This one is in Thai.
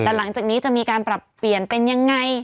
แต่หลังจากนี้จะมีการปรับเปลี่ยนเป็นยังไง